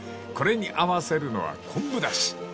［これに合わせるのは昆布だし］